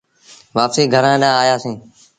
وآپسيٚ گھرآݩ ڏآنهن آيآ سيٚݩ۔